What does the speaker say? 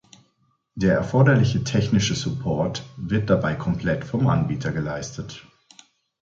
Der erforderliche technische Support wird dabei komplett vom Anbieter geleistet.